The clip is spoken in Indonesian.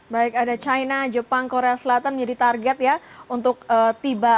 baik ada china jepang korea selatan menjadi target ya untuk tiba